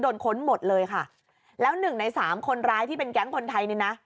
ค้นหมดเลยค่ะแล้วหนึ่งในสามคนร้ายที่เป็นแก๊งคนไทยนี่นะ